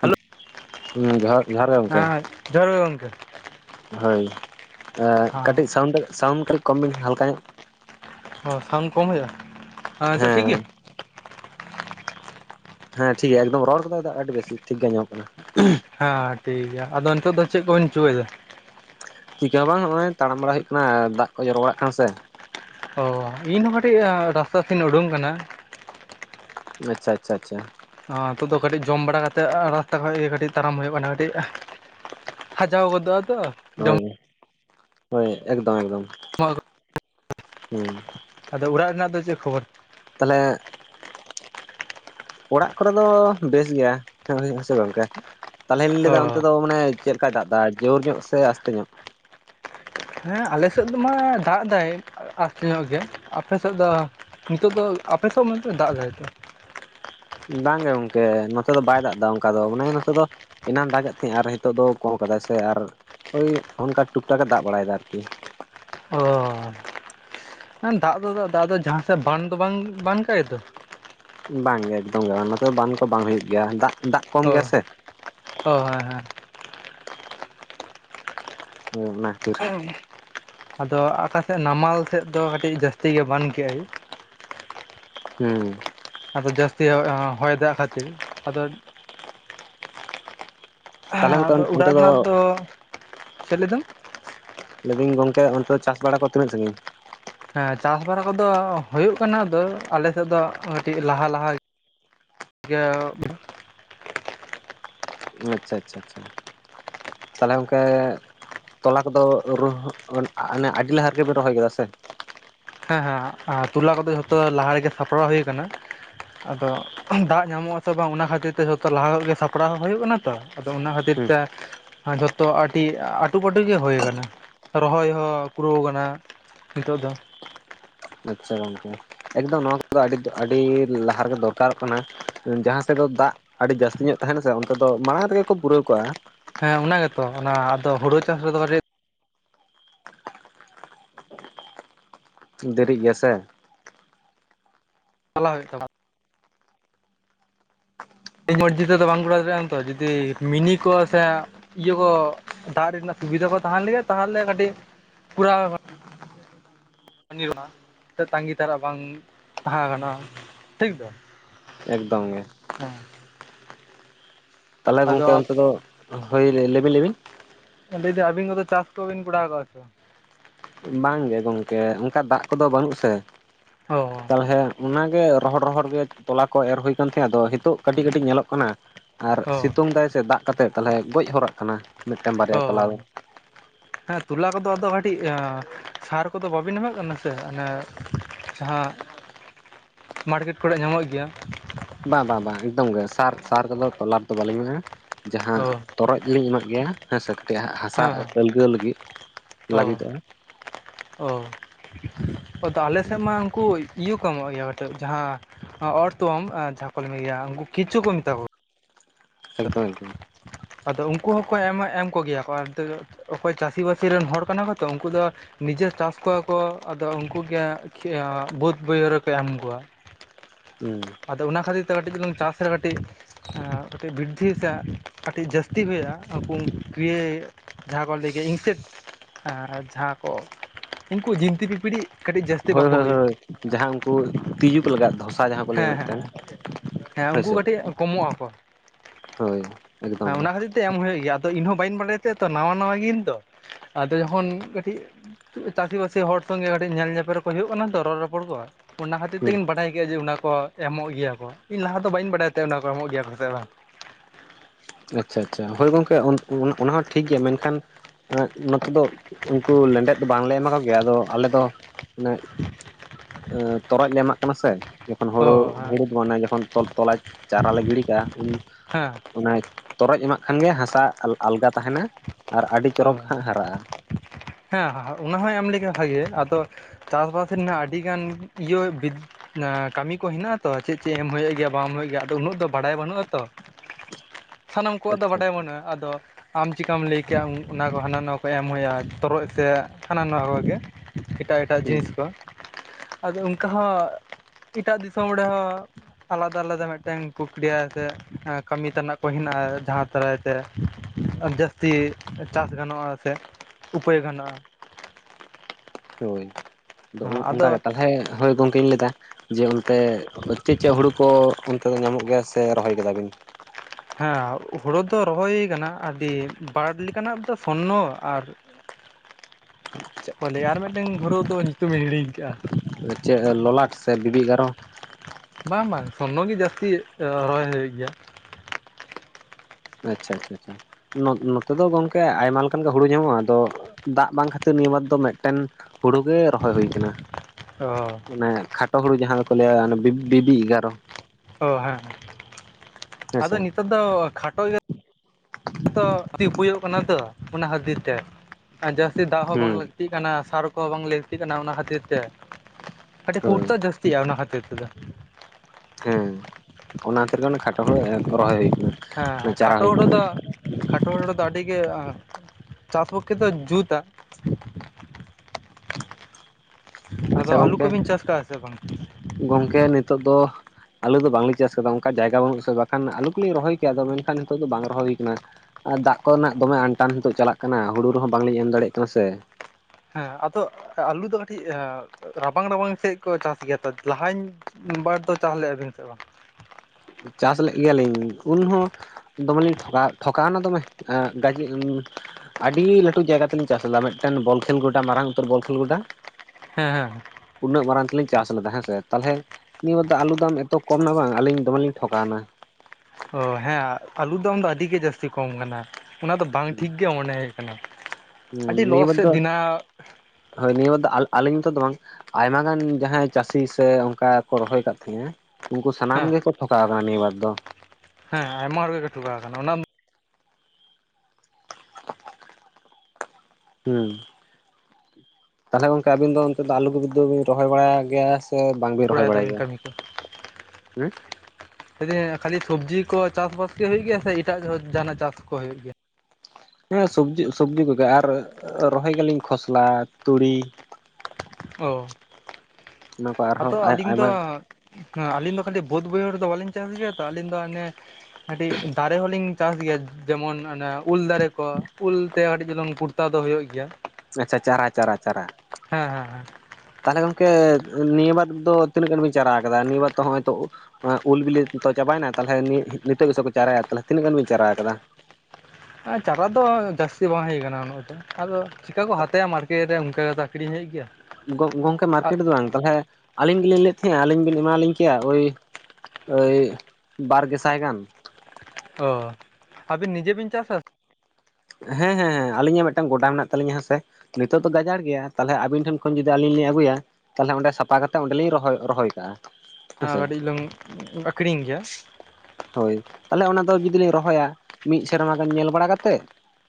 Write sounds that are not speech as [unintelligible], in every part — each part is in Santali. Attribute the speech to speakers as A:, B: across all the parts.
A: ᱦᱮᱞᱳ
B: ᱡᱚᱦᱟᱨ ᱡᱚᱦᱟᱨ ᱜᱮ ᱜᱚᱝᱠᱮ᱾
A: ᱦᱮᱸ ᱡᱚᱦᱟᱨ ᱜᱮ ᱜᱚᱝᱠᱮ᱾
B: ᱦᱳᱭ ᱠᱟᱹᱴᱤᱡ ᱥᱟᱣᱩᱱ ᱥᱟᱣᱩᱱᱰ ᱠᱟᱹᱴᱤᱡ ᱠᱚᱢ ᱵᱤᱱ ᱦᱟᱞᱠᱟ ᱧᱚᱜ᱾
A: ᱚ ᱥᱟᱣᱩᱱᱰ ᱠᱚᱢ ᱦᱳᱭᱳᱜᱼᱟ ᱱᱤᱛᱚᱜ
B: ᱦᱮᱸ
A: ᱴᱷᱤᱠ ᱜᱮᱭᱟ᱾
B: ᱦᱮᱸ ᱴᱷᱤᱠ ᱜᱮᱭᱟ ᱮᱠᱫᱚᱢ ᱨᱚᱲ ᱠᱚᱫᱚ ᱟᱹᱰᱤ ᱵᱮᱥ ᱴᱷᱤᱠ ᱜᱮ ᱟᱡᱚᱢᱚᱜ ᱠᱟᱱᱟ᱾
A: ᱦᱮᱸ ᱴᱷᱤᱠ ᱜᱮᱭᱟ ᱟᱫᱚ ᱱᱤᱛᱚᱜ ᱫᱚ ᱪᱮᱫ ᱠᱚ ᱵᱤᱱ ᱪᱤᱠᱟᱹᱭ ᱫᱟ?
B: ᱪᱤᱠᱟᱹ ᱦᱚ ᱵᱟᱝ ᱱᱚᱜᱼᱚᱭ ᱛᱟᱲᱟᱢ ᱵᱟᱲᱟ ᱦᱩᱭᱩᱜ ᱠᱟᱱᱟ ᱫᱟᱜ ᱠᱚ ᱡᱚᱨᱚ ᱵᱟᱲᱟᱜ ᱠᱟᱱᱟ ᱥᱮ᱾
A: ᱚ, ᱤᱧ ᱦᱚᱸ ᱠᱟᱹᱴᱤᱡ ᱨᱟᱥᱛᱟ ᱥᱮᱫ ᱤᱧ ᱩᱰᱩᱝ ᱠᱟᱱᱟ᱾
B: ᱟᱪᱪᱷᱟ ᱟᱪᱪᱷᱟ ᱟᱪᱪᱷᱟ᱾
A: ᱱᱤᱛᱚᱜ ᱫᱚ ᱠᱟᱹᱴᱤᱡ ᱡᱚᱢ ᱵᱟᱲᱟ ᱠᱟᱛᱮᱫ ᱨᱟᱥᱛᱟ ᱠᱷᱚᱱ ᱜᱮ ᱠᱟᱹᱴᱤᱡ ᱛᱟᱲᱟᱢ ᱦᱳᱭᱳᱜ ᱠᱟᱱᱟ ᱠᱟᱹᱴᱤᱡ ᱦᱟᱡᱟᱣ ᱜᱚᱫᱚᱜ ᱟᱫᱚ
B: ᱦᱳᱭ-ᱦᱳᱭ ᱮᱠᱫᱚᱢ-ᱮᱠᱫᱚᱢ ᱦᱮᱸ
A: ᱟᱫᱚ ᱚᱲᱟᱜ ᱨᱮᱱᱟᱜ ᱫᱚ ᱪᱮᱫ ᱠᱷᱚᱵᱚᱨ?
B: ᱛᱟᱦᱞᱮ ᱚᱲᱟᱜ ᱠᱚ ᱨᱮ ᱫᱚ ᱵᱮᱥ ᱜᱮᱭᱟ ᱦᱮ ᱥᱮ ᱜᱚᱝᱠᱮ ᱛᱟᱞᱦᱮ ᱞᱤᱧ
A: ᱚ
B: ᱞᱟᱹᱭ ᱫᱟ ᱚᱱᱛᱮ ᱫᱚ ᱢᱟᱱᱮ ᱪᱮᱫ ᱞᱮᱠᱟᱭ ᱫᱟᱜ ᱫᱟ ᱡᱳᱨ ᱧᱚᱜ ᱥᱮ ᱟᱥᱛᱮ ᱧᱚᱜ?
A: ᱦᱮᱸ ᱟᱞᱮ ᱥᱮᱫ ᱫᱚ ᱢᱟ ᱫᱟᱜ ᱮ ᱫᱟᱭ ᱟᱥᱛᱮ ᱧᱚᱜ ᱜᱮ ᱟᱯᱮ ᱥᱮᱫ ᱫᱚ ᱱᱤᱛᱚᱜ ᱫᱚ ᱟᱯᱮ ᱥᱮᱫ ᱥᱮᱫ ᱦᱚᱸᱛᱚ ᱫᱟᱜ-ᱜᱟᱭ
B: ᱵᱟᱝ ᱜᱮ ᱜᱚᱝᱠᱮ ᱱᱚ ᱛᱮ ᱫᱚ ᱵᱟᱭ ᱫᱟᱜ ᱫᱟ ᱚᱱᱠᱟ ᱫᱚ ᱢᱟᱱᱮ ᱱᱚ ᱛᱮ ᱫᱚ ᱮᱱᱟᱢ ᱫᱟᱜ ᱜᱮᱫ ᱛᱟᱦᱮᱸ ᱟᱨ ᱱᱤᱛᱚᱜ ᱫᱚ ᱠᱚᱢ ᱠᱟᱫᱟᱭ ᱥᱮ ᱟᱨ ᱳᱭ ᱚᱱᱠᱟ ᱴᱩᱠ- ᱴᱟᱠ ᱮ ᱫᱟᱜ ᱵᱟᱲᱟᱭ ᱫᱟᱭ ᱟᱨᱠᱤ
A: ᱚᱻ ᱦᱮᱸ ᱫᱟᱜ ᱫᱚ ᱫᱟᱜ ᱫᱚ ᱡᱟᱦᱟᱸ ᱥᱮᱫ ᱵᱟᱝ ᱫᱚ ᱵᱟᱝ ᱵᱟᱱ ᱟᱠᱟᱭ ᱛᱚ
B: ᱵᱟᱝ ᱜᱮ ᱮᱠᱫᱚᱢ ᱜᱮ ᱚᱱᱟᱛᱮ ᱫᱚ ᱵᱟᱱ ᱠᱚ ᱵᱟᱝ ᱦᱩᱭᱩᱜ ᱜᱮᱭᱟ ᱫᱟᱜ- ᱫᱟᱜ ᱠᱚᱢ ᱜᱮᱭᱟ ᱥᱮ
A: ᱚᱻᱚᱻ ᱦᱮᱸᱻᱦᱮᱸ
B: ᱦᱮ ᱚᱱᱟ ᱠᱷᱟᱹᱛᱤᱨ
A: ᱟᱫᱚ ᱟᱯᱮ ᱥᱮᱫ ᱱᱟᱢᱟᱞ ᱥᱮᱫ ᱫᱚ ᱠᱟᱹᱴᱤᱡ ᱡᱟᱹᱥᱛᱤ ᱜᱮ ᱵᱟᱱ ᱠᱮᱜᱟᱭ
B: ᱦᱩᱸ
A: ᱟᱫᱚ ᱡᱟᱹᱥᱛᱤ ᱦᱚᱭ ᱫᱟᱜ ᱠᱷᱟᱹᱛᱤᱨ ᱟᱫᱚ ᱦᱮᱸ
B: ᱛᱟᱦᱚᱞᱮ ᱚᱱᱠᱟ
A: ᱟᱫᱚ
B: ᱚᱱᱛᱮ
A: ᱚᱲᱟᱜ ᱨᱮᱱᱟᱜ ᱫᱚ ᱪᱮᱫ ᱞᱟᱹᱭᱫᱟᱢ
B: ᱞᱟᱹᱭ ᱫᱟᱹᱧ ᱜᱚᱝᱠᱮ ᱚᱱᱛᱮ ᱪᱟᱥ ᱵᱟᱲᱟ ᱠᱚ ᱛᱤᱱᱟᱹᱜ ᱥᱟᱹᱜᱤᱧ?
A: ᱦᱮᱸ ᱪᱟᱥ ᱵᱟᱨᱟ ᱠᱚ ᱫᱚ ᱦᱳᱭᱳᱜ ᱠᱟᱱᱟ ᱫᱚ ᱟᱞᱮ ᱥᱮᱫ ᱫᱚ ᱠᱟᱹᱴᱤᱡ ᱞᱟᱦᱟ-ᱞᱟᱦᱟ ᱤᱭᱟᱹ ᱣ
B: ᱟᱪᱷᱟ- ᱟᱪᱷᱟ -ᱟᱪᱷᱟ ᱛᱟᱦᱞᱮ ᱜᱚᱝᱠᱮ ᱛᱚᱞᱟ ᱠᱚᱫᱚ ᱨᱩ ᱟᱹᱰᱤ ᱞᱟᱦᱟ ᱨᱮᱜᱮ ᱵᱮᱱ ᱨᱚᱦᱚᱭ ᱠᱮᱫᱟ ᱥᱮ
A: ᱦᱮᱸᱻᱦᱮᱸ ᱛᱚᱞᱟ ᱠᱚ ᱫᱚ ᱡᱷᱚᱛᱚ ᱞᱟᱦᱟ ᱨᱮ ᱜᱮ ᱥᱟᱯᱲᱟᱣ ᱦᱩᱭ ᱟᱠᱟᱱᱟ᱾ ᱟᱫᱚ ᱫᱟᱜ ᱧᱟᱢᱚᱜ ᱟᱥᱮ ᱵᱟᱝ ᱚᱱᱟ ᱠᱷᱟᱹᱛᱤᱨ ᱛᱮ ᱡᱷᱚᱛᱚ ᱞᱟᱦᱟ ᱠᱷᱚᱱ ᱜᱮ ᱥᱟᱯ ᱲᱟᱣ ᱦᱳᱭᱳᱜ ᱠᱟᱱᱟ ᱛᱚ ᱟᱫᱚ ᱚᱱᱟ ᱠᱷᱟᱹᱛᱤᱨ
B: ᱦᱩᱸ
A: ᱛᱮ ᱟᱫᱚ ᱛᱚ ᱟᱹᱰᱤ ᱟᱴᱩ ᱯᱟᱹᱴᱩ ᱜᱮ ᱦᱩᱭ ᱠᱟᱱᱟ ᱨᱚᱦᱚᱭ ᱦᱚᱸ ᱯᱩᱨᱟᱹᱣ ᱟᱠᱟᱱᱟ ᱱᱤᱛᱚᱜ ᱫᱚ
B: ᱟᱪᱷᱟ ᱜᱚᱝᱠᱮ ᱮᱠᱫᱚᱢ ᱱᱚᱣᱟ ᱠᱚ ᱫᱚ ᱟᱹᱰᱤ-ᱟᱹᱰᱤ ᱞᱟᱦᱟ ᱨᱮ ᱜᱮ ᱫᱚᱨ ᱠᱟ ᱨᱚᱜ ᱠᱟᱱᱟ ᱡᱟᱦᱟᱸ ᱥᱮᱫ ᱫᱚ ᱫᱟᱜ ᱟᱹᱰᱤ ᱡᱟᱹᱥᱛᱤ ᱧᱚᱜ ᱛᱟᱸᱦᱮᱱᱟ ᱥᱮ ᱚᱱᱛᱮ ᱫᱚ ᱢᱟᱲᱟᱝ ᱨᱮᱜᱮ ᱠᱚ ᱯᱩᱨᱟᱹᱣ ᱠᱚᱟᱜᱼᱟ᱾
A: ᱦᱮᱸ ᱚᱱᱟ ᱜᱮᱛᱚ ᱚᱱᱟ ᱟᱫᱚ ᱦᱳᱲᱳ ᱪᱟᱥ ᱨᱮᱫᱚ ᱠᱟᱴᱤᱡ
B: ᱫᱮᱨᱤᱜ ᱜᱮᱭᱟ ᱥᱮ᱾
A: ᱛᱚᱞᱟ ᱦᱩᱭ ᱠᱟᱲᱟᱵ ᱢᱚᱱᱢᱚᱨᱡᱤᱱ ᱵᱟᱝ ᱠᱚᱲᱟᱣ ᱫᱟᱲᱮᱭᱟᱜᱼᱟ ᱛᱚ ᱡᱩᱫᱤ ᱢᱤᱱᱤ ᱠᱚ ᱥᱮ ᱤᱭᱟᱹ ᱠᱚ ᱫᱟᱜ ᱨᱮᱱᱟᱜ ᱥᱩᱵᱤᱫᱷᱟ ᱠᱚ ᱛᱟᱸᱦᱮᱱ ᱞᱟᱹᱜᱤᱫ ᱛᱟᱦᱚᱞᱮ ᱠᱟᱹᱴᱤᱡ ᱯᱩᱨᱟᱣ ᱛᱟᱺᱜᱤ ᱛᱟᱨᱟᱜ ᱵᱟᱝ ᱛᱟᱦᱮᱸ ᱜᱟᱱᱚᱜ-ᱟ ᱴᱷᱤᱠ ᱫᱚ᱾
B: ᱮᱠᱫᱚᱢ ᱜᱮ᱾
A: ᱦᱮᱸ
B: ᱛᱟᱦᱚᱞᱮ
A: ᱟᱫᱚ
B: ᱜᱚᱢᱠᱮ ᱚᱱᱛᱮ ᱫᱚ ᱦᱳᱭ ᱞᱟᱹᱭᱵᱤᱱ-ᱞᱟ. ᱭᱵᱤᱱ᱾
A: ᱞᱟᱹᱭ ᱫᱟᱹᱧ ᱟᱵᱤᱱ ᱠᱚᱫᱚ ᱪᱟᱥ ᱠᱚᱵᱤᱱ ᱠᱚᱲᱟᱣ ᱟᱠᱟᱫᱼᱟ ᱥᱮ
B: ᱵᱟᱝ ᱜᱮ ᱜᱚᱝᱠᱮ ᱚᱱᱠᱟ ᱫᱟᱜ ᱠᱚᱫᱚ ᱵᱟᱹᱱᱩᱜ ᱥᱮ
A: ᱚ
B: ᱛᱟᱦᱚᱞᱮ ᱚᱱᱟᱜᱮ ᱨᱚᱦᱚᱲ-ᱨᱚᱦᱚᱲ ᱜᱮ ᱛᱚᱞᱟ ᱠᱚ ᱮᱨ ᱦᱩᱭ ᱠᱟᱱ ᱛᱟᱦᱮᱸᱱᱟ ᱟᱫᱚ ᱱᱤᱛᱚᱜ ᱠᱟᱹᱴᱤᱡ-ᱠᱟᱹᱴᱤᱡ ᱧᱮᱞᱚᱜ ᱠᱟᱱᱟ᱾ ᱟᱨ
A: ᱚ
B: ᱥᱤᱛᱩᱝ ᱫᱟᱭ ᱥᱮ ᱫᱟᱜ ᱠᱟᱛᱮᱫ ᱛᱟᱦᱞᱮ ᱜᱚᱡ ᱦᱚᱨᱟᱜ ᱠᱟᱱᱟ᱾ ᱢᱤᱫᱴᱮᱱ ᱵᱟᱨᱭᱟ
A: ᱚᱻ
B: [inaudible]
A: ᱦᱮᱸ ᱛᱩᱞᱟ ᱠᱚᱫᱚ ᱟᱫᱚ ᱠᱟᱹᱴᱤᱡ ᱥᱟᱨ ᱠᱚᱫᱚ ᱵᱟᱹᱵᱤᱱ ᱮᱢᱟᱜ ᱠᱟᱱᱟ ᱥᱮ ᱚᱱᱮ ᱡᱟᱦᱟᱸ ᱢᱟᱨᱠᱮᱴ ᱠᱚᱨᱮ ᱧᱟᱢᱚᱜ ᱜᱮᱭᱟ᱾
B: ᱵᱟᱝ ᱵᱟᱝ ᱵᱟᱝ ᱮᱠᱫᱚᱢ ᱜᱮ ᱥᱟᱨ ᱥᱟᱨ ᱠᱚᱫᱚ ᱛᱚᱞᱟ ᱨᱮ ᱫᱚ ᱵᱟᱞᱤᱧ ᱮᱢᱟᱜᱼᱟ ᱡᱟᱦᱟᱸ
A: ᱚ
B: ᱛᱚᱨᱚᱡ ᱞᱤᱧ ᱮᱢᱟᱜ ᱜᱮᱭᱟ ᱦᱮᱸ ᱥᱮ ᱠᱟᱹᱴᱤᱡ ᱦᱟᱸᱥᱟ
A: ᱦᱮᱸ ᱦᱮᱸ
B: ᱟᱹᱞᱜᱟᱹᱣ ᱞᱟᱹᱜᱤᱫ
A: ᱚ
B: ᱞᱟᱹᱵᱤᱫᱚᱜᱼᱟ᱾
A: ᱚ ᱛᱟᱦᱞᱮ ᱥᱮᱫ ᱢᱟ ᱩᱱᱠᱩ ᱤᱭᱟᱹ ᱠᱚ ᱮᱢᱚᱜ ᱜᱮᱭᱟ ᱡᱟᱦᱟᱸ ᱚᱨᱛᱚᱢ ᱡᱟᱦᱟᱸ [unintelligible] ᱠᱮᱪᱩᱣᱟᱹ ᱠᱚ ᱢᱮᱛᱟ ᱠᱚᱣᱟ᱾
B: ᱮᱠᱫᱚᱢ ᱮᱠᱫᱚᱢ᱾
A: ᱟᱫᱚ ᱩᱱᱠᱩ ᱦᱚᱸᱠᱚ ᱮᱢ ᱮᱢ ᱠᱚ ᱜᱮᱭᱟ ᱠᱚ [unintelligible] ᱚᱠᱚᱭ ᱪᱟᱹᱥᱤᱵᱟᱹᱥᱤ ᱨᱮᱱ ᱦᱚᱲ ᱠᱟᱱᱟ ᱠᱚ ᱛᱚ ᱩᱱᱠᱩ ᱫᱚ ᱱᱤᱡᱮ ᱪᱟᱥ ᱠᱚᱣᱟ ᱠᱚ ᱟᱫᱚ ᱩᱱᱠᱩᱜᱮ [unintelligible] ᱵᱟᱹᱫᱽ ᱵᱟᱹᱭᱦᱟᱹᱲ ᱨᱮᱠᱚ ᱮᱢ ᱠᱩᱣᱟ᱾
B: ᱦᱩᱸ᱾
A: ᱟᱫᱚ ᱚᱱᱟ ᱠᱷᱟᱛᱤᱨ ᱛᱮ ᱠᱟᱹᱴᱤᱡ ᱪᱩᱞᱩᱝ ᱪᱟᱥ ᱨᱮ ᱠᱟᱹᱴᱤᱡ ᱠᱟᱹᱴᱤᱡ ᱵᱨᱤᱫᱫᱷᱤ ᱥᱮ ᱠᱟᱹᱴᱤᱡ ᱡᱟᱹᱥᱛᱤ ᱦᱩᱭᱩᱜᱼᱟ [unintelligible] ᱡᱟᱦᱟᱸ ᱠᱚ ᱞᱟᱹᱭ ᱠᱮᱫ ᱤᱢᱯᱷᱮᱠᱴ ᱡᱟᱦᱟᱸ ᱠᱚ ᱩᱱᱠᱩ ᱡᱤᱱᱛᱤ ᱯᱤᱯᱤᱲᱤᱡ᱾ ᱠᱟᱹᱴᱤᱡ ᱡᱟᱹᱥᱛᱤ
B: ᱦᱳᱭ
A: ᱵᱟᱠᱚ
B: ᱦᱳᱭ
A: ᱦᱩᱭᱩᱜᱼᱟ᱾
B: ᱦᱳᱭ ᱡᱟᱦᱟᱸ ᱩᱱᱠᱩ ᱛᱤᱡᱩ ᱠᱚ ᱞᱟᱜᱟᱜ ᱫᱚ ᱫᱷᱚᱥᱟ ᱡᱟᱦᱟᱸ ᱠᱚ ᱞᱟᱹᱭᱟ
A: ᱦᱮᱸ ᱦᱮᱸ
B: ᱢᱤᱫᱴᱮᱱ
A: ᱦᱮᱸ ᱩᱱᱠᱩ
B: ᱦᱳᱭᱥᱮ
A: ᱠᱟᱹᱴᱤᱡ ᱠᱚᱢᱚᱜ ᱟᱠᱚ᱾
B: ᱦᱳᱭ᱾ ᱮᱠᱫᱚᱢ
A: ᱦᱮᱸ
B: ᱜᱮ
A: ᱚᱱᱟ ᱠᱷᱟᱹᱛᱤᱨ ᱛᱮ ᱮᱢ ᱦᱩᱭᱩᱜ ᱜᱮᱭᱟ ᱟᱫᱚ ᱤᱧ ᱦᱚᱸ ᱵᱟᱹᱧ ᱵᱟᱲᱟᱭᱟ ᱛᱟᱦᱮᱸ ᱛᱚ ᱱᱟᱣᱟ ᱱᱟᱣᱟ ᱜᱮᱭᱟᱹᱧ ᱛᱚ᱾ ᱟᱫᱚ ᱡᱚᱠᱷᱚᱱ ᱠᱟᱹᱴᱤᱡ᱾ ᱪᱟᱥᱤᱵᱟᱹᱥᱤ ᱦᱚᱲ ᱥᱚᱸᱜᱮ ᱠᱟᱹᱴᱤᱡ ᱧᱮᱞ ᱧᱮᱯᱮᱞ ᱨᱮᱠᱚ ᱦᱩᱭᱩᱜ ᱠᱟᱱᱟ ᱛᱚ ᱨᱚᱲ ᱨᱚᱯᱚᱲ ᱠᱚ᱾ ᱚᱱᱟ ᱠᱷᱟᱹᱛᱤᱨ
B: ᱦᱩᱸ
A: ᱛᱮᱜᱤᱧ ᱵᱟᱰᱟᱭ ᱠᱮᱫᱼᱟ ᱡᱮ ᱚᱱᱟ ᱠᱚ ᱮᱢᱚᱜ ᱜᱮᱭᱟ ᱠᱚ ᱤᱧ ᱞᱟᱦᱟ ᱫᱚ ᱵᱟᱹᱧ ᱵᱟᱰᱟᱭ ᱛᱮ ᱚᱱᱟ ᱠᱚ ᱮᱢᱚᱜ ᱜᱮᱭᱟ ᱠᱚ ᱥᱮ ᱵᱟᱝ᱾
B: ᱟᱪᱪᱷᱟ ᱟᱪᱪᱷᱟ ᱦᱳᱭ ᱜᱚᱝᱠᱮ [unintelligible] ᱚᱱᱟ ᱦᱚᱸ ᱴᱷᱤᱠ ᱜᱮᱭᱟ ᱢᱮᱱᱠᱷᱟᱱ [unintelligible] ᱱᱚᱛᱮ ᱫᱚ ᱩᱱᱠᱩ ᱞᱮᱸᱰᱮᱫ ᱫᱚ ᱵᱟᱝᱞᱮ ᱮᱢᱟ ᱠᱚ ᱜᱮᱭᱟ ᱟᱫᱚ ᱟᱞᱮ ᱫᱚ [unintelligible] ᱛᱚᱨᱚᱡ ᱞᱮ ᱮᱢᱟᱜ ᱠᱟᱱᱟ ᱥᱮ᱾ ᱡᱚᱠᱷᱚᱱ
A: ᱚ
B: ᱦᱳᱲᱳ
A: ᱦᱮᱸ
B: ᱦᱳᱲᱳ ᱫᱚ ᱵᱟᱝ ᱚᱱᱟ ᱡᱚᱠᱷᱚᱱ ᱛᱚᱞ ᱛᱚᱞᱟ ᱪᱟᱨᱟ ᱞᱮ ᱜᱤᱰᱤ ᱠᱟᱜᱼᱟ ᱩᱱ
A: ᱦᱮᱸ᱾
B: ᱚᱱᱟ ᱛᱚᱨᱚᱡ ᱮᱢᱟᱜ ᱠᱷᱟᱱ ᱜᱮ ᱦᱟᱸᱥᱟ ᱟᱞᱜᱟ ᱛᱟᱸᱦᱮᱱᱟ ᱟᱨ ᱟᱹᱰᱤ
A: ᱚ
B: ᱪᱚᱨᱚᱠ ᱦᱟᱸᱜ ᱦᱟᱨᱟᱜᱼᱟ᱾
A: ᱦᱮᱸ ᱚᱱᱟ ᱦᱚᱸᱭ ᱮᱢ ᱞᱮᱠᱷᱟ ᱵᱷᱟᱜᱮ ᱟᱫᱚ ᱪᱟᱥᱵᱟᱥ ᱨᱮᱱᱟᱜ ᱟᱹᱰᱤᱜᱟᱱ ᱤᱭᱟᱹ [unintelligible] ᱠᱟᱹᱢᱤ ᱠᱚ ᱦᱮᱱᱟᱜ ᱟᱛᱚ ᱪᱮᱫ ᱪᱮᱫ ᱮᱢ ᱦᱳᱭᱳᱜ ᱜᱮᱭᱟ ᱵᱟᱝ ᱮᱢ ᱦᱳᱭᱳᱜ ᱜᱮᱭᱟ ᱟᱫᱚ ᱩᱱᱟᱹᱜ ᱫᱚ ᱵᱟᱲᱟᱭ ᱵᱟᱹᱱᱩᱜᱼᱟᱛᱚ᱾ ᱥᱟᱱᱟᱢ ᱠᱚᱣᱟᱜ ᱫᱚ
B: ᱟᱪᱪᱷᱟ
A: ᱵᱟᱰᱟᱭ ᱵᱟᱹᱱᱩᱜᱼᱟ ᱟᱫᱚ ᱟᱢ ᱪᱮᱠᱟᱢ ᱞᱟᱹᱭ [unintelligible] ᱚᱱᱟ ᱠᱚ ᱦᱟᱱᱟ ᱱᱷᱟ ᱠᱚ ᱮᱢ ᱦᱩᱭᱩᱜ-ᱟ ᱛᱚᱨᱚᱡ ᱥᱮᱫ ᱦᱟᱱᱟ ᱱᱟᱣᱟ ᱠᱚᱜᱮ ᱮᱴᱟᱜ ᱮᱴᱟᱜ
B: ᱦᱩᱸ
A: ᱡᱤᱱᱤᱥ ᱠᱚ᱾ ᱟᱫᱚ ᱚᱱᱠᱟ ᱦᱚᱸ ᱮᱴᱟᱜ ᱫᱤᱥᱚᱢ ᱨᱮᱦᱚᱸ᱾ ᱟᱞᱟᱫᱟ ᱟᱞᱟᱫᱟ ᱢᱤᱫᱴᱮᱱ ᱯᱚᱠᱨᱤᱭᱟ ᱥᱮ ᱠᱟᱹᱢᱤ ᱛᱮᱱᱟᱜ ᱠᱚ ᱦᱮᱱᱟᱜᱼᱟ ᱡᱟᱦᱟᱸ ᱫᱟᱨᱟᱭ ᱛᱮ ᱡᱟᱹᱥᱛᱤ ᱪᱟᱥ ᱜᱟᱱᱚᱜᱼᱟ ᱥᱮ ᱩᱯᱟᱹᱭ ᱜᱟᱱᱚᱜᱼᱟ᱾
B: ᱦᱳᱭ ᱟᱫᱚ ᱚᱱᱠᱟᱜᱮ ᱛᱟᱦᱚᱞᱮ ᱦᱳᱭ ᱜᱚᱢᱠᱮᱧ ᱞᱟᱹᱭ ᱫᱟ ᱡᱮ ᱚᱱᱛᱮ ᱪᱮᱫ ᱪᱮᱫ ᱦᱩᱲᱩ ᱠᱚ ᱚᱱᱛᱮ ᱫᱚ ᱧᱟᱢᱚᱜ ᱜᱮᱭᱟ ᱥᱮ ᱨᱚᱦᱚᱭ ᱠᱮᱫᱟᱵᱤᱱ?
A: ᱦᱮᱸ ᱦᱳᱲᱳ ᱫᱚ ᱨᱚᱦᱚᱭ ᱠᱟᱱᱟ ᱟᱹᱰᱤ ᱵᱟᱨᱰ ᱞᱮᱠᱟᱱᱟᱜ ᱫᱚ ᱥᱚᱨᱱᱚ ᱟᱨ,
B: [inaudible]
A: ᱪᱮᱫ ᱠᱚ ᱞᱟᱹᱭᱼᱟ ᱟᱨ ᱢᱤᱫᱴᱟᱝ ᱦᱳᱲᱳ ᱫᱚ ᱧᱩᱸᱛᱩᱢᱤᱧ ᱦᱤᱲᱤᱧ ᱟᱠᱟᱸᱜᱼᱟ᱾
B: ᱪᱮᱫ ᱞᱚᱞᱟᱴ ᱥᱮ ᱵᱤᱵᱤ ᱮᱜᱟᱨᱚ?
A: ᱵᱟᱝ ᱵᱟᱝ ᱥᱚᱨᱱᱚ ᱜᱮ ᱡᱟᱹᱥᱛᱤ ᱨᱚᱦᱚᱭ ᱦᱩᱭᱩᱜ ᱜᱮᱭᱟ᱾
B: ᱟᱪᱪᱷᱟ ᱟᱪᱪᱷᱟ ᱪᱷᱟ ᱱᱚᱛᱮ ᱫᱚ ᱜᱚᱝᱠᱮ ᱟᱭᱢᱟ ᱞᱮᱠᱟᱱ ᱜᱮ ᱦᱩᱸᱲᱩ ᱧᱟᱢᱚᱜᱼᱟ ᱟᱫᱚ ᱫᱟᱜ ᱵᱟᱝ ᱠᱷᱟᱹᱛᱤᱨ ᱱᱤᱭᱟᱹ ᱵᱟᱨ ᱫᱚ ᱢᱤᱫᱴᱮᱱ ᱦᱩᱸᱲᱩ ᱜᱮ ᱨᱚᱦᱚᱭ ᱦᱩᱭ ᱟᱠᱟᱱᱟ᱾
A: ᱚᱻ
B: ᱚᱱᱮ ᱠᱷᱟᱴᱚ ᱦᱩᱸᱲᱩ ᱡᱟᱦᱟᱸ ᱫᱚᱠᱚ ᱞᱟᱹᱭᱟ ᱵᱤᱵᱤ ᱮᱜᱟᱨᱚ᱾
A: ᱳ ᱦᱮᱸ ᱦᱮᱸ ᱟᱫᱚ
B: ᱦᱮᱸᱥᱮ
A: ᱱᱤᱛᱚᱜ ᱫᱚ ᱠᱷᱟᱴᱚ ᱜᱮᱼᱼ ᱩᱯᱟᱹᱭᱚᱜ ᱠᱟᱱᱟ ᱛᱚ ᱚᱱᱟ ᱠᱷᱟᱹᱛᱤᱨ ᱛᱮ ᱟᱨ ᱡᱟᱹᱥᱛᱤ ᱫᱟᱜ ᱦᱚᱸ ᱵᱟᱝ
B: ᱦᱩᱸ
A: ᱞᱟᱜᱟᱼᱼ ᱞᱟᱹᱠᱛᱤᱜ ᱠᱟᱱᱟ, ᱥᱟᱨ ᱠᱚᱦᱚ ᱵᱟᱝ ᱞᱟᱹᱠᱛᱤᱜ ᱠᱟᱱᱟ ᱚᱱᱟ ᱠᱷᱟᱹᱛᱤᱨ ᱛᱮ ᱠᱟᱹᱴᱤᱡ
B: ᱦᱳᱭ
A: ᱯᱩᱨᱛᱟᱹ ᱡᱟᱹᱥᱛᱤ ᱡᱟᱹᱥᱛᱤᱜᱼᱟ ᱚᱱᱟ ᱠᱷᱟᱹᱛᱤᱨ ᱛᱮᱫᱚ᱾
B: ᱦᱮᱸ ᱚᱱᱟ ᱠᱷᱟᱹᱛᱤᱨ ᱜᱮ ᱚᱱᱟ ᱠᱷᱟᱴᱚ ᱦᱩᱸᱲᱩ ᱮᱻ ᱠᱚᱨᱟᱣ ᱦᱩᱭᱩᱜᱼᱟ᱾
A: ᱦᱮᱸ ᱠᱷᱟᱴᱚ ᱦᱩᱸᱲᱩ ᱫᱚ ᱠᱷᱟᱴᱚ ᱦᱩᱸᱲᱩ ᱫᱚ ᱟᱹᱰᱤᱜᱮ ᱪᱟᱥ ᱯᱚᱠᱠᱷᱮ ᱫᱚ ᱡᱩᱛᱟ ᱟᱫᱚ
B: ᱟᱪᱪᱷᱟ
A: ᱟᱞᱩ
B: ᱜᱚᱝᱠᱮ
A: ᱠᱚᱵᱤᱱ ᱪᱟᱥ ᱠᱟᱜᱼᱟ ᱥᱮ ᱵᱟᱝ?
B: ᱜᱚᱝᱠᱮ ᱱᱤᱛᱚᱜ ᱫᱚ ᱟᱞᱩ ᱫᱚ ᱵᱟᱝᱞᱮ ᱪᱟᱥ ᱟᱠᱟᱫᱟ ᱚᱱᱠᱟ ᱡᱟᱭᱜᱟ ᱟᱞᱩ ᱫᱚ ᱵᱟᱝ ᱞᱤᱧ ᱪᱟᱥ ᱠᱟᱫᱟ ᱚᱱᱠᱟ ᱡᱟᱭᱜᱟ ᱵᱟᱹᱱᱩᱜ ᱥᱮ ᱵᱟᱠᱷᱟᱱ ᱟᱞᱩ ᱠᱚᱞᱤᱧ ᱨᱚᱦᱚᱭ ᱠᱮᱭᱟ ᱟᱫᱚ ᱢᱮᱱᱠᱷᱟᱱ ᱱᱤᱛᱚᱜ ᱫᱚ ᱵᱟᱝ ᱨᱚᱦᱚᱭ ᱦᱩᱭ ᱟᱠᱟᱱᱟ ᱟᱨ ᱫᱟᱜ ᱠᱚᱨᱮ ᱱᱟᱜ ᱫᱚᱢᱮ ᱟᱱᱴᱟᱱ ᱱᱤᱛᱚᱜ ᱪᱟᱞᱟᱜ ᱠᱟᱱᱟ ᱦᱩᱸᱲᱩ ᱨᱮᱦᱚᱸ ᱵᱟᱝᱞᱤᱧ ᱮᱢ ᱫᱟᱲᱮᱜ ᱠᱟᱱᱟ ᱥᱮ᱾
A: ᱦᱮᱸ ᱟᱫᱚ ᱟᱞᱩ ᱫᱚ ᱠᱟᱹᱴᱤᱡ ᱨᱟᱵᱟᱝ ᱨᱟᱵᱟᱝ ᱥᱮᱫ ᱠᱚ ᱪᱟᱥ ᱜᱮᱭᱟ ᱛᱚ? ᱞᱟᱦᱟᱧᱼᱼ ᱵᱟᱨ ᱫᱚ ᱪᱟᱥ ᱞᱮᱟᱹᱵᱤᱱ ᱥᱮ ᱵᱟᱝ?
B: ᱪᱟᱥ ᱞᱮᱫ ᱜᱮᱭᱟ ᱞᱤᱧ ᱩᱱᱦᱚᱸ ᱫᱚᱢᱮ ᱞᱤᱧ ᱴᱷᱚᱠᱟ ᱴᱷᱚᱠᱟ ᱣᱱᱟ ᱫᱚᱢᱮ ᱜᱟᱡᱮ ᱩᱻ ᱟᱹᱰᱤ ᱞᱟᱹᱴᱩ ᱡᱟᱭᱜᱟ ᱛᱮᱞᱤᱧ ᱪᱟᱥ ᱞᱮᱫᱟ ᱢᱤᱫᱴᱮᱱ ᱵᱚᱞ ᱠᱷᱮᱞ ᱜᱚᱸᱰᱟ ᱢᱟᱨᱟᱝ ᱩᱛᱟᱹᱨ ᱵᱚᱞ ᱠᱷᱮᱞ ᱜᱚᱸᱰᱟ᱾
A: ᱦᱮᱸᱻ
B: ᱩᱱᱟᱹᱜ ᱢᱟᱨᱟᱝ ᱛᱮᱞᱤᱧ ᱪᱟᱥ ᱞᱮᱫᱟ ᱦᱮᱸᱥᱮ, ᱛᱟᱞᱦᱮ ᱱᱤᱭᱟᱹ ᱵᱟᱨ ᱫᱚ ᱟᱞᱩ ᱫᱟᱢ ᱮᱛᱚ ᱠᱚᱢ ᱱᱟ ᱵᱟᱝ ᱟᱹᱞᱤᱧ ᱫᱚᱢᱮ ᱞᱤᱧᱼᱼ ᱴᱷᱚᱠᱟᱣ ᱱᱟ᱾
A: ᱳ ᱦᱮᱸ ᱟᱞᱩ ᱫᱟᱢ ᱫᱚ ᱟᱹᱰᱤ ᱜᱮ ᱡᱟᱹᱥᱛᱤ ᱠᱚᱢ ᱠᱟᱱᱟ ᱚᱱᱟ ᱫᱚ ᱵᱟᱝ ᱴᱷᱤᱠ ᱜᱮᱭᱟ ᱚᱱᱮ ᱟᱹᱰᱤ
B: ᱱᱤᱭᱟᱹ
A: ᱞᱚᱥ
B: ᱵᱟᱨ
A: ᱮᱫ
B: ᱫᱚ
A: ᱫᱤᱱᱟᱻ᱾
B: ᱦᱳᱭ ᱱᱤᱭᱟᱹ ᱵᱟᱨ ᱫᱚ ᱟᱼᱟᱹᱞᱤᱧ ᱢᱚᱛᱚ ᱫᱚ ᱵᱟᱝᱼᱼ ᱟᱭᱢᱟ ᱜᱟᱱ ᱡᱟᱦᱟᱸᱭ ᱪᱟᱹᱥᱤ ᱥᱮ ᱚᱱᱠᱟ ᱠᱚ ᱨᱚᱦᱚᱭ ᱟᱠᱟᱫ ᱛᱟᱦᱮᱸᱜᱼᱟ ᱩᱱᱠᱩ ᱥᱟᱱᱟᱢ
A: ᱦᱮᱸ
B: ᱜᱮᱠᱚ ᱴᱷᱚᱠᱟᱣ ᱟᱠᱟᱱᱟ ᱱᱤᱭᱟᱹ ᱵᱟᱨ ᱫᱚ᱾
A: ᱦᱮᱸ ᱟᱭᱢᱟ ᱦᱚᱲ ᱜᱮᱠᱚ ᱴᱷᱚᱠᱟ ᱟᱠᱟᱱᱟ ᱚᱱᱟ
B: ᱦᱩᱸ ᱛᱟᱦᱟᱞᱮ ᱜᱚᱝᱠᱮ ᱟᱹᱵᱤᱱ ᱫᱚ ᱚᱱᱛᱮ ᱫᱚ ᱟᱞᱩ ᱠᱚᱫᱚ ᱵᱤᱱ ᱨᱚᱦᱚᱭ ᱵᱟᱲᱟ ᱜᱮᱭᱟ ᱥᱮᱼᱼ ᱥᱮ ᱵᱟᱝ?
A: [unintelligible] ᱫᱟᱹᱵᱤᱱ ᱠᱟᱹᱢᱤᱼᱼ
B: ᱦᱩᱸ?
A: ᱞᱟᱹᱭ ᱫᱟᱹᱧ ᱠᱷᱟᱹᱞᱤ ᱥᱚᱵᱽᱡᱤ ᱠᱚ ᱪᱟᱥ-ᱵᱟᱥ ᱜᱮ ᱦᱩᱭᱩᱜ ᱜᱮᱭᱟ ᱥᱮ ᱮᱴᱟᱜ ᱡᱟᱦᱟᱱᱟᱜ ᱪᱟᱥ ᱠᱚ ᱦᱩᱭᱩᱜ ᱜᱮᱭᱟ?
B: ᱦᱮᱸ ᱥᱚᱵᱽᱡᱤ ᱥᱚᱵᱽᱡᱤ ᱠᱚᱜᱮ ᱟᱨ ᱨᱚᱦᱚᱭ ᱜᱮᱭᱟ ᱞᱤᱧ ᱠᱷᱚᱥᱞᱟ ᱛᱩᱸᱲᱤ᱾
A: ᱳ
B: ᱚᱱᱟ ᱠᱚ ᱟᱨᱦᱚᱸ
A: ᱟᱫᱚ ᱟᱹᱞᱤᱧ ᱫᱚᱼᱼ
B: ᱟᱭᱢᱟ
A: ᱦᱮᱸ ᱟᱹᱞᱤᱧ ᱫᱚ ᱠᱷᱟᱹᱞᱤ ᱵᱟᱹᱫᱽ ᱵᱟᱹᱭᱦᱟᱹᱲ ᱨᱮᱫᱚ ᱵᱟᱹᱞᱤᱧ ᱪᱟᱥ ᱜᱮᱭᱟ ᱛᱚ ᱟᱹᱞᱤᱧ ᱫᱚ ᱦᱟᱱᱮ ᱠᱟᱹᱴᱤᱡ ᱫᱟᱨᱮ ᱦᱚᱸᱞᱤᱧ ᱪᱟᱥ ᱜᱮᱭᱟ ᱡᱮᱢᱚᱱ ᱚᱱᱮ ᱩᱞ ᱫᱟᱨᱮ ᱠᱚ, ᱩᱞ ᱛᱮ ᱠᱟᱹᱴᱤᱡ ᱪᱩᱞᱩᱝ ᱯᱩᱨᱛᱟᱹ ᱫᱚ ᱦᱩᱭᱩᱜ ᱜᱮᱭᱟ᱾
B: ᱟᱪᱪᱷᱟ ᱪᱟᱨᱟ, ᱪᱟᱨᱟ, ᱪᱟᱨᱟ᱾
A: ᱦᱮᱸ ᱦᱮᱸ ᱦᱮᱸ
B: ᱛᱟᱦᱟᱞᱮ ᱜᱚᱝᱠᱮ ᱱᱤᱭᱟᱹ ᱵᱟᱨ ᱫᱚ ᱛᱤᱱᱟᱹᱜ ᱜᱟᱱ ᱵᱤᱱ ᱪᱟᱨᱟᱣ ᱠᱟᱫᱟ? ᱱᱤᱭᱟᱹ ᱵᱟᱨ ᱫᱚ ᱦᱚᱸᱚᱭᱛᱚ ᱚᱱᱟ ᱩᱞ ᱵᱤᱞᱤ ᱛᱚ ᱪᱟᱵᱟᱭᱮᱱᱟ ᱛᱟᱦᱚᱞᱮ ᱱᱤᱛᱚᱜ ᱜᱮᱥᱚ ᱠᱚ ᱪᱟᱨᱮᱟᱭ ᱛᱟᱦᱚᱞᱮ ᱛᱤᱱᱟᱹᱜ ᱜᱟᱱ ᱵᱤᱱ ᱪᱟᱨᱟ ᱟᱠᱟᱫᱟ?
A: ᱪᱟᱵᱟ ᱫᱚ ᱡᱟᱹᱥᱛᱤ ᱵᱟᱝ ᱦᱩᱭ ᱟᱠᱟᱱᱟ ᱩᱱᱟᱹᱜᱫᱚ ᱟᱫᱚ ᱪᱤᱠᱟ ᱠᱚ ᱦᱟᱛᱟᱭᱟ ᱢᱟᱨᱠᱮᱴ ᱨᱮ ᱚᱱᱠᱟᱛ ᱟᱠᱠᱷ [unintelligible] ᱤᱧ ᱦᱮᱡ ᱜᱮᱭᱟ
B: ᱜᱚᱝᱠᱮ ᱢᱟᱨᱠᱮᱴ ᱫᱚ ᱵᱟᱝ ᱛᱟᱦᱚᱞᱮ ᱟᱹᱞᱤᱧ ᱜᱮᱞᱤᱧ ᱞᱮᱫ ᱛᱟᱦᱮᱸᱱᱟ ᱟᱹᱞᱤᱧ ᱵᱤᱱ ᱮᱢᱟ ᱟᱹᱞᱤᱧ ᱠᱮᱭᱟ ᱚᱭᱼᱼ ᱟ. ᱭ ᱵᱟᱨ ᱜᱮᱥᱟᱭ ᱜᱟᱱ?
A: ᱚ ᱟᱹᱵᱤᱱ ᱱᱤᱡᱮ ᱵᱤᱱ ᱪᱟᱥᱟ?
B: ᱦᱮᱸ ᱦᱮᱸ ᱦᱮᱸ, ᱟᱹᱞᱤᱧᱟᱜ ᱢᱤᱫᱴᱟᱝ ᱜᱚᱰᱟ ᱢᱮᱱᱟᱜ ᱛᱟᱹᱞᱤᱧᱟ ᱥᱮ ᱾ ᱱᱤᱛᱚᱜ ᱫᱚ ᱜᱟᱡᱟᱲ ᱜᱮᱭᱟ ᱛᱟᱦᱚᱞᱮ ᱟᱹᱵᱤᱱ ᱴᱷᱮᱱ ᱠᱷᱚᱱ ᱡᱩᱫᱤ ᱟᱹᱞᱤᱧ ᱞᱤᱧ ᱟᱹᱜᱩᱭᱟ, ᱛᱟᱦᱚᱞᱮ ᱚᱸᱰᱮ ᱥᱟᱯᱷᱟ ᱠᱟᱛᱮᱜ ᱚᱸᱰᱮ ᱞᱤᱧ ᱨᱚᱦᱚᱭ ᱨᱚᱦᱚᱭ ᱠᱟᱜᱼᱟ ᱾
A: ᱦᱟᱸ ᱠᱟᱴᱤᱡ ᱞᱟᱝ ᱟᱠᱷᱲᱤᱝ ᱜᱮᱭᱟ ᱾
B: ᱦᱚᱭ, ᱛᱟᱦᱚᱞᱮ ᱚᱱᱟ ᱫᱚ ᱡᱩᱫᱤ ᱞᱤᱧ ᱨᱚᱦᱚᱭᱟ ᱢᱤᱫ ᱥᱮᱨᱢᱟ ᱜᱟᱱ ᱧᱮᱞ ᱵᱟᱲᱟ ᱠᱟᱛᱮᱫ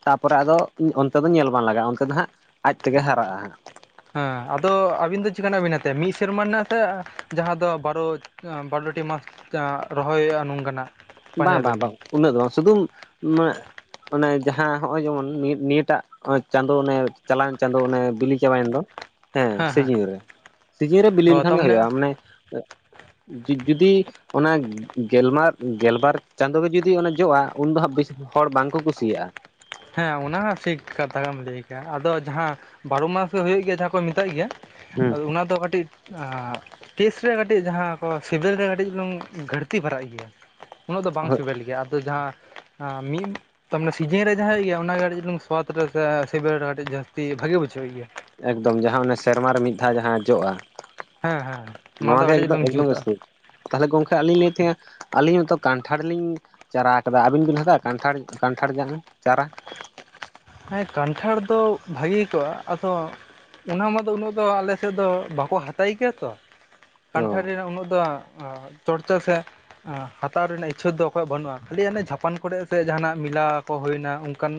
B: ᱛᱟᱯᱚᱨᱮ ᱟᱫᱚ ᱚᱱᱛᱮ ᱫᱚ ᱧᱮᱞ ᱵᱟᱝ ᱞᱟᱜᱟᱜᱼᱟ ᱚᱱᱛᱮ ᱫᱚ ᱦᱟᱸᱜ ᱟᱡ ᱛᱮᱜᱮ ᱦᱟᱨᱟᱜᱼᱟ ᱾
A: ᱦᱮᱸ, ᱟᱫᱚ ᱟᱹᱵᱤᱱ ᱫᱚ ᱪᱮᱫ ᱠᱟᱱᱟᱜ ᱵᱤᱱ ᱦᱟᱛᱟᱭᱟ ᱢᱤᱫ ᱥᱮᱨᱢᱟ ᱨᱮᱱᱟᱜ ᱥᱮ ᱡᱟᱦᱟᱸ ᱫᱚ ᱵᱟᱨᱚ ᱟᱸ ᱵᱟᱞᱚᱴᱤ ᱢᱟᱥ ᱡᱟᱸᱦᱟ ᱨᱚᱦᱚᱭ ᱦᱳᱭᱳᱜᱼᱟ ᱱᱚᱝᱠᱟᱱᱟᱜ?
B: ᱵᱟᱝ
A: ᱯᱟᱸᱡᱟᱭ
B: ᱵᱟᱝ
A: ᱫᱟᱵᱤᱱ
B: ᱵᱟᱝ ᱩᱱᱟᱹᱜ ᱫᱚ ᱵᱟᱝ, ᱥᱩᱫᱩ [inaudible] ᱚᱱᱮ ᱡᱟᱦᱟᱸ ᱦᱚᱜᱼᱚᱭ ᱡᱮᱢᱚᱱ ᱱᱚᱭᱟᱹ ᱱᱤᱭᱟᱹᱴᱟᱜ ᱾ ᱪᱟᱸᱫᱚ ᱚᱱᱮ ᱪᱟᱞᱟᱣᱮᱱ ᱪᱟᱸᱫᱚ ᱚᱱᱮ ᱵᱤᱞᱤ ᱪᱟᱵᱟᱭᱮᱱ ᱫᱚ, ᱦᱮᱸ ᱥᱤᱡᱤᱱ ᱨᱮ, ᱥᱤᱡᱤᱱ ᱨᱮ ᱵᱤᱞᱤ
A: ᱚ
B: ᱞᱮᱱᱠᱷᱟᱱ ᱜᱮ
A: ᱛᱟᱨᱢᱟᱱᱮ
B: ᱦᱩᱭᱩᱜᱼᱟ, ᱢᱟᱱᱮ ᱡᱩ-ᱡᱩᱫᱤ ᱚᱱᱟ ᱜᱮᱞᱢᱟᱨ ᱜᱮᱞᱵᱟᱨ ᱪᱟᱸᱫᱳ ᱜᱮ ᱡᱩᱫᱤ ᱚᱱᱮ ᱡᱚᱜᱼᱟ, ᱩᱱᱫᱚ ᱦᱟᱸᱜ ᱵᱮᱥᱤ ᱦᱚᱲ ᱵᱟᱝᱠᱚ ᱠᱩᱥᱤᱭᱟᱜᱼᱟ ᱾
A: ᱦᱮᱸ ᱚᱱᱟ ᱦᱚᱸ ᱴᱷᱤᱠ ᱠᱟᱛᱷᱟ ᱜᱮᱢ ᱞᱟᱹᱭ ᱠᱟᱜᱼᱟ, ᱟᱫᱚ ᱡᱟᱦᱟᱸ ᱵᱟᱨᱚ ᱢᱟᱥ ᱜᱮ ᱦᱳᱭᱳᱜ ᱜᱮᱭᱟ ᱡᱟᱦᱟᱸ ᱠᱚ ᱢᱮᱛᱟᱜ ᱜᱮᱭᱟ,
B: ᱦᱩᱸ
A: ᱟᱫᱚ ᱚᱱᱟ ᱫᱚ ᱠᱟᱹᱴᱤᱡ ᱟᱻ ᱴᱮᱥ ᱨᱮ ᱠᱟᱹᱴᱤᱡ ᱡᱟᱦᱟᱸ ᱠᱚ ᱥᱮᱵᱮᱞ ᱨᱮ ᱠᱟᱹᱴᱤᱡ ᱪᱩᱞᱩᱝ ᱜᱷᱟᱹᱲᱛᱤ ᱯᱟᱨᱟᱜ ᱜᱮᱭᱟ ᱾ ᱩᱱᱟᱹᱜ ᱫᱚ ᱵᱟᱝ
B: ᱦᱳᱭ
A: ᱥᱮᱵᱮᱞ ᱜᱮᱭᱟ, ᱟᱫᱚ ᱡᱟᱦᱟᱸ ᱟᱸ ᱢᱤᱫ ᱛᱟ ᱢᱟᱱᱮ ᱥᱤᱡᱤᱱ ᱨᱮ ᱡᱟᱦᱟᱸ ᱜᱮᱭᱟ ᱚᱱᱟᱜᱮ ᱠᱟᱹᱴᱤᱡ ᱪᱩᱞᱩᱝ ᱥᱚᱣᱟᱛ ᱨᱮ ᱥᱮ ᱥᱮᱵᱮᱞ ᱨᱮ ᱠᱟᱹᱴᱤᱡ ᱡᱟᱹᱥᱛᱤ ᱵᱷᱟᱜᱮ ᱵᱩᱡᱷᱟᱹᱣ ᱜᱮᱭᱟ ᱾
B: ᱮᱠᱫᱚᱢ ᱡᱟᱦᱟᱸ ᱚᱱᱮ ᱥᱮᱨᱢᱟ ᱨᱮ ᱢᱤᱫ ᱫᱷᱟᱣ ᱡᱟᱦᱟᱸ ᱡᱚᱜᱼᱟ
A: ᱦᱮᱸ ᱦᱮᱸ
B: ᱾
A: ᱚᱱᱟ
B: ᱱᱚᱣᱟ
A: ᱫᱚ
B: ᱜᱮ
A: ᱠᱟᱹᱴᱤᱡ
B: ᱮᱠᱫᱚ
A: ᱞᱟᱝ
B: ᱮᱠᱫᱚᱢ
A: ᱡᱩᱛᱟ
B: [unintelligible] ᱛᱟᱦᱚᱠᱮ ᱜᱚᱝᱠᱮ ᱟᱞᱤᱧ ᱞᱟᱹᱭᱮᱫ ᱛᱟᱦᱮᱸᱜᱼᱟ ᱟᱹᱞᱤᱧ ᱧᱤᱛᱚᱜ ᱠᱟᱱᱴᱷᱟᱲ ᱞᱤᱧ ᱪᱟᱨᱟ ᱠᱟᱫᱟ ᱟᱹᱵᱤᱱ ᱵᱤᱱ ᱦᱟᱛᱟᱣᱟ ᱠᱟᱱᱴᱷᱟᱲ ᱠᱟᱱᱴᱷᱟᱲ ᱡᱟᱝ ᱪᱟᱨᱟ?
A: ᱦᱮᱸ, ᱠᱟᱱᱴᱷᱟᱲ ᱫᱚ ᱵᱷᱟᱜᱮ ᱠᱚᱜᱼᱟ, ᱟᱫᱚ ᱚᱱᱟ ᱢᱟᱫᱚ ᱩᱱᱟᱹᱜ ᱫᱚ ᱟᱞᱮᱥᱮᱫ ᱫᱚ ᱵᱟᱠᱚ ᱦᱟᱛᱟᱭ ᱜᱮᱭᱟ ᱛᱚ,
B: ᱚ
A: ᱠᱟᱱᱴᱷᱟᱲ ᱡᱟᱝ ᱩᱱᱟᱹᱜ ᱫᱚ ᱟ ᱪᱚᱴᱪᱟ ᱥᱮ ᱦᱟᱛᱟᱣ ᱨᱮᱱᱟᱜ ᱤᱪᱪᱷᱚ ᱫᱚ ᱚᱠᱚᱭ ᱵᱟᱹᱱᱩᱜᱼᱟ, ᱠᱷᱟᱹᱞᱤ ᱦᱟᱱᱮ ᱡᱷᱟᱯᱟᱱ ᱠᱚᱨᱮᱜ ᱥᱮ ᱡᱟᱦᱟᱱᱟᱜ ᱢᱮᱞᱟ ᱠᱚ ᱦᱩᱭᱱᱟ ᱚᱝᱠᱟᱱ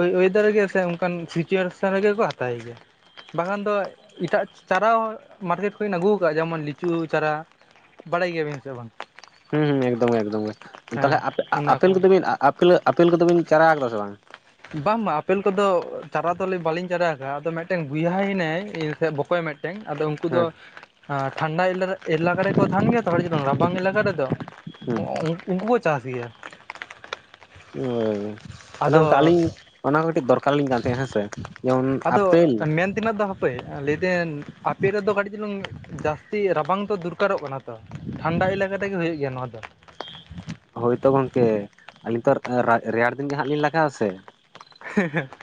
A: ᱳᱭ ᱳᱭᱮᱫᱟᱨᱮᱜᱮ ᱥᱮ ᱚᱝᱠᱟᱱ ᱥᱤᱪᱩᱭᱮᱥᱚᱱ ᱨᱮᱜᱮ ᱠᱚ ᱦᱟᱛᱟᱭ ᱜᱮᱭᱟ ᱾ ᱵᱟᱠᱷᱟᱱ ᱫᱚ ᱮᱴᱟᱜ ᱪᱟᱨᱟ ᱦᱚᱸ ᱢᱟᱨᱠᱮᱴ ᱠᱷᱚᱡ ᱵᱤᱱ ᱟᱹᱜᱩ ᱠᱟᱜᱼᱟ ᱡᱮᱢᱚᱱ ᱞᱤᱪᱩ ᱪᱟᱨᱟ ᱵᱟᱲᱟᱭ ᱜᱮᱭᱟᱵᱤᱱ ᱥᱮ ᱵᱟᱝ?
B: ᱦᱩᱸ ᱦᱩᱸ ᱮᱠᱫᱚᱢ ᱜᱮ ᱮᱠᱫᱚᱢ ᱜᱮ,
A: ᱦᱮᱸ
B: ᱛᱟᱦᱚᱞᱮ
A: ᱚᱱᱟ ᱠᱚ
B: ᱟ-ᱟᱯᱮᱞ ᱠᱚᱫᱚ ᱵᱤᱱ ᱟ-ᱟᱯᱮᱞ ᱠᱚᱫᱚᱵᱤᱱ ᱪᱟᱨᱟ ᱠᱟᱫᱟ ᱥᱮ ᱵᱟᱝ?
A: ᱵᱟᱝ ᱵᱟᱝ ᱟᱯᱮᱞ ᱠᱚᱫᱚ ᱪᱟᱨᱟ ᱫᱚᱞᱮ ᱵᱟᱹᱞᱤᱧ ᱪᱟᱨᱟᱣ ᱠᱟᱜᱼᱟ, ᱟᱫᱚ ᱢᱤᱫᱴᱮᱱ ᱵᱚᱭᱦᱟ ᱦᱮᱱᱟᱭᱟ ᱤᱧ ᱥᱮ ᱵᱚᱠᱚᱭ ᱢᱮᱜ ᱴᱮᱝ ᱟᱫᱚ ᱩᱱᱠᱩ ᱫᱚ
B: ᱦᱮᱸ
A: ᱟ ᱴᱷᱟᱱᱰᱟ ᱮᱞᱟᱨ ᱮᱞᱟᱠᱟ ᱨᱮᱠᱚ ᱛᱟᱦᱮᱱ ᱜᱮᱭᱟ ᱛᱚ ᱠᱟᱹᱴᱤᱡ ᱪᱩᱞᱩᱝ ᱨᱟᱵᱟᱝ ᱮᱞᱟᱠᱟ ᱨᱮᱫᱚ ᱾ ᱚ
B: ᱦᱮᱸ
A: ᱩ-ᱩᱝᱠᱩ ᱠᱚ ᱪᱟᱥ ᱜᱮᱭᱟ ᱾
B: ᱚᱻ ᱛᱟᱦᱚᱞᱮ ᱚᱝᱠᱟ ᱟᱹᱞᱤᱧ ᱚᱱᱟ ᱠᱚ ᱠᱟᱹᱴᱤᱡ ᱫᱚᱨᱠᱟᱨ ᱞᱤᱧ ᱠᱟᱱ ᱛᱟᱦᱮᱸᱜ ᱦᱮᱸᱥᱮ ᱾ ᱡᱮᱢᱚᱱ ᱟᱯᱮᱞ,
A: ᱢᱮᱱᱛᱮᱱᱟᱜ ᱫᱚ ᱦᱟᱯᱮ ᱞᱟᱹᱭ ᱫᱟᱹᱱ ᱟᱯᱮ ᱨᱮ ᱫᱚ ᱠᱟᱹᱴᱤᱡ ᱪᱩᱞᱩᱝ ᱡᱟᱥ ᱛᱤ ᱨᱟᱵᱟᱝ ᱛᱚ ᱫᱚᱨᱠᱟᱨᱚᱜ ᱠᱟᱱᱟ ᱛᱚ, ᱴᱷᱟᱱᱰᱟ ᱮᱞᱟᱠᱟ ᱛᱮᱜᱮ ᱦᱩᱭᱩᱜ ᱜᱮᱭᱟ ᱱᱚᱣᱟ ᱫᱚ ᱾
B: ᱦᱳᱭ ᱛᱚ ᱜᱚᱝᱠᱮ ᱟᱹᱞᱤᱧ ᱛᱚ ᱟᱨ ᱨᱟ-ᱨᱮᱭᱟᱲ ᱫᱤᱱ ᱜᱮ ᱦᱟᱜ ᱞᱤᱧ ᱞᱟᱜᱟᱜ-ᱟ ᱥᱮ ᱾
A: ᱦᱮᱸ ᱦᱮᱸ ᱾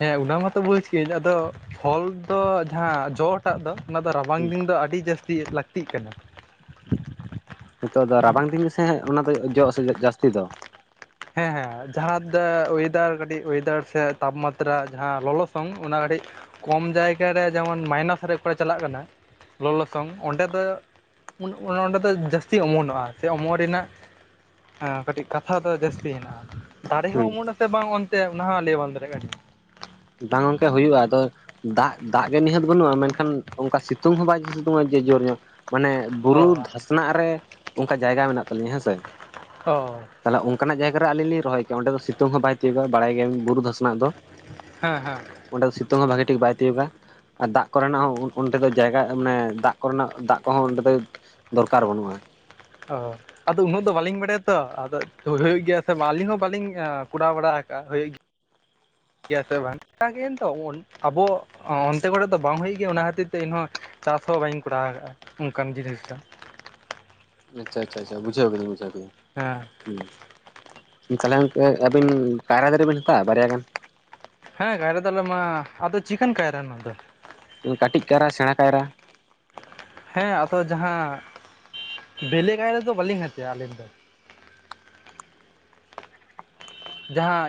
A: ᱦᱮᱸ ᱚᱱᱟ ᱢᱟᱛᱚ ᱵᱩᱡᱽ ᱠᱤᱭᱟᱹᱧ ᱟᱫᱚ ᱯᱷᱚᱞ ᱫᱚ ᱡᱟᱦᱟᱸ ᱡᱚ ᱴᱟᱜ ᱫᱚ ᱚᱱᱟ ᱫᱚ
B: ᱦᱩᱸ
A: ᱨᱟᱵᱟᱝ ᱫᱤᱱ ᱫᱚ ᱟᱹᱰᱤ ᱡᱟᱹᱥᱛᱤ ᱞᱟᱹᱠᱛᱤᱜ ᱠᱟᱱᱟ ᱾
B: ᱱᱤᱛᱚᱜ ᱫᱚ ᱨᱟᱵᱟᱝ ᱫᱤᱱ ᱥᱮ ᱦᱮᱸ ᱚᱱᱟ ᱫᱚ ᱡᱚ ᱟᱥᱮ ᱡᱟᱹᱥᱛᱤ ᱫᱚ ᱾
A: ᱦᱮᱸ ᱦᱮᱸ ᱡᱟᱦᱟᱸ ᱫᱚ ᱚᱭᱮᱫᱟᱨ ᱠᱟᱹᱴᱤᱡ ᱚᱭᱮᱫᱟᱨ ᱥᱮ ᱛᱟᱯᱢᱟᱛᱨᱟ ᱡᱟᱦᱟᱸ ᱞᱚᱞᱚᱥᱚᱝ ᱚᱱᱟ ᱠᱟᱹᱴᱤᱡ ᱠᱚᱢ ᱡᱟᱭᱜᱟᱨᱮ ᱡᱮᱢᱚᱱ ᱢᱟᱭᱱᱟᱥ ᱨᱮ ᱚᱠᱟᱨᱮ ᱪᱟᱞᱟᱜ ᱠᱟᱱᱟ ᱞᱚᱞᱚᱥᱚᱝ ᱚᱸᱰᱮ ᱫᱚ ᱚᱱᱚ ᱚᱸᱰᱮ ᱫᱚ ᱡᱟᱹᱥᱛᱤ ᱚᱢᱚᱱᱚᱜᱼᱟ ᱥᱮ ᱚᱢᱚᱱ ᱨᱮᱱᱟᱜ ᱠᱟᱹᱴᱤᱡ ᱠᱟᱛᱷᱟ ᱫᱚ ᱡᱟᱹᱥᱛᱤ [unintelligible] ᱫᱟᱨᱮ
B: ᱦᱩᱸ
A: ᱦᱚᱸ ᱚᱢᱚᱱᱚᱜ ᱟᱥᱮ ᱵᱟᱝ ᱚᱱᱛᱮ ᱚᱱᱟ ᱦᱚᱸ ᱞᱟᱹᱭ ᱵᱟ ᱫᱟᱲᱮᱭᱟᱜᱼᱟ ᱠᱟᱹᱱᱟᱹᱧ᱾
B: ᱵᱟᱝ ᱜᱚᱝᱠᱮ ᱦᱩᱭᱩᱜᱼᱟ ᱟᱫᱚ ᱫᱟᱜ ᱫᱟᱜ ᱜᱮ ᱱᱤᱦᱟᱹᱛ ᱵᱟᱹᱱᱩᱜᱼᱟ ᱢᱮᱱᱠᱷᱟᱱ ᱚᱱᱠᱟ ᱥᱤᱛᱩᱝ ᱦᱚᱸ ᱵᱟᱭ ᱥᱤᱛᱩᱝᱼᱟ ᱡᱮ ᱡᱳᱨ ᱧᱚᱜ ᱢᱟᱱᱮ
A: ᱚ
B: ᱵᱩᱨᱩ ᱫᱷᱟᱥᱱᱟᱜ ᱨᱮ ᱚᱱᱠᱟ ᱡᱟᱭᱜᱟ ᱢᱮᱱᱟᱜ ᱛᱟᱹᱞᱤᱧᱟ ᱦᱮᱸ ᱥᱮ᱾
A: ᱦᱚᱭ
B: ᱛᱟᱦᱚᱞᱮ ᱚᱱᱠᱟᱱᱟᱜ ᱡᱟᱭᱜᱟ ᱨᱮ ᱟᱞᱤᱧ ᱞᱤᱧ ᱨᱚᱦᱚᱭ ᱠᱤᱭᱟ ᱚᱸᱰᱮ ᱫᱚ ᱥᱤᱛᱩᱝ ᱦᱚᱸ ᱵᱟᱭ ᱛᱤᱭᱟᱹᱜᱟ ᱵᱟᱲᱟᱭ ᱜᱮᱭᱟ ᱵᱤᱱ ᱵᱩᱨᱩ ᱫᱷᱟᱥᱱᱟᱜ ᱫᱚ?
A: ᱦᱮᱸ ᱦᱮᱸ
B: ᱚᱸᱰᱮ ᱥᱤᱛᱩᱝ ᱦᱚᱸ ᱵᱷᱟᱜᱤ ᱴᱷᱤᱠ ᱵᱟᱭ ᱛᱤᱭᱟᱹᱜᱟ ᱟᱨ ᱫᱟᱜ ᱠᱚᱨᱮᱱᱟᱜ ᱦᱚᱸ ᱚᱸᱰᱮ ᱫᱚ ᱡᱟᱭᱜᱟ ᱢᱟᱱᱮ ᱫᱟᱜ ᱠᱚᱨᱮᱱᱟᱜ ᱫᱟᱜ ᱠᱚᱦᱚᱸ ᱚᱸᱰᱮ ᱫᱚ ᱫᱚᱨᱠᱟᱨ ᱵᱟᱹᱱᱩᱜᱼᱟ᱾
A: ᱦᱚᱭ ᱟᱫᱚ ᱩᱱᱟᱹᱜ ᱫᱚ ᱵᱟᱹᱞᱤᱧ ᱵᱟᱲᱟᱭᱟ ᱛᱚ ᱟᱫᱚ ᱦᱩᱭᱩᱜ ᱜᱮᱭᱟ ᱥᱮ ᱟᱹᱞᱤᱧ ᱦᱚᱸ ᱵᱟᱹᱞᱤᱧ ᱠᱚᱨᱟᱣ ᱵᱟᱲᱟ ᱠᱟᱜᱼᱟ
B: [inaudible]
A: ᱜᱮᱭᱟ ᱥᱮ ᱵᱟᱝ [unintelligible] ᱟᱵᱚ ᱚᱱᱛᱮ ᱠᱚᱨᱮ ᱫᱚ ᱵᱟᱝ ᱦᱩᱭᱩᱜ ᱜᱮᱭᱟ ᱚᱱᱟ ᱠᱷᱟᱹᱛᱤᱨ ᱛᱮ ᱤᱧᱦᱚᱸ ᱪᱟᱥ ᱦᱚᱸ ᱵᱟᱹᱧ ᱠᱚᱨᱟᱣ ᱟᱠᱟᱜᱼᱟ ᱚᱱᱠᱟᱱ ᱡᱤᱱᱤᱥ ᱫᱚ᱾
B: ᱟᱪᱪᱷᱟ ᱟᱪᱪᱷᱟ ᱟᱪᱪᱷᱟ ᱵᱩᱡᱷᱟᱹᱣ ᱠᱤᱫᱟᱹᱧ ᱵᱩᱡᱷᱟᱹᱣ ᱠᱤᱫᱟᱹᱧ᱾
A: ᱦᱮᱸ
B: ᱛᱟᱦᱚᱞᱮ ᱜᱚᱝᱠᱮ ᱟᱹᱵᱤᱱ ᱠᱟᱭᱨᱟ ᱫᱟᱨᱮ ᱵᱤᱱ ᱦᱟᱛᱟᱣᱟ ᱵᱟᱨᱭᱟ ᱜᱟᱱ?
A: ᱦᱮᱸ ᱠᱟᱭᱨᱟ ᱫᱟᱨᱮ ᱢᱟ ᱟᱫᱚ ᱪᱤᱠᱟᱱ ᱠᱟᱭᱨᱟ ᱱᱚᱣᱟ ᱫᱚ?
B: ᱠᱟᱹᱴᱤᱡ ᱠᱟᱭᱨᱟ ᱥᱮᱬᱟ ᱠᱟᱭᱨᱟ᱾
A: ᱦᱮᱸ ᱟᱫᱚ ᱡᱟᱦᱟᱸ ᱵᱮᱞᱮ ᱠᱟᱭᱨᱟ ᱫᱚ ᱵᱟᱹᱞᱤᱧ ᱦᱟᱛᱮᱜ-ᱟ ᱟᱹᱞᱤᱧ ᱫᱚ᱾ ᱡᱟᱦᱟᱸ